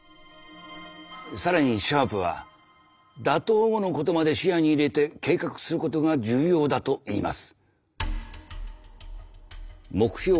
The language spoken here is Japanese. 更にシャープは打倒後のことまで視野に入れて計画することが重要だと言います。